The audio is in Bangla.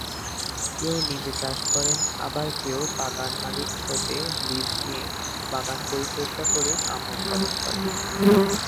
কেউ নিজে চাষ করেন আবার কেউ বাগান মালিক হতে লিজ নিয়ে বাগান পরিচর্যা করে আম উৎপাদন করেন।